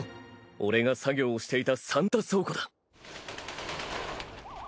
俺が作業をしていたサンタ倉庫だ。